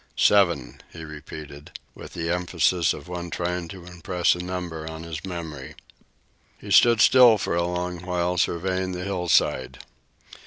"Seven," he repeated, with the emphasis of one trying to impress a number on his memory. He stood still a long while, surveying the hillside.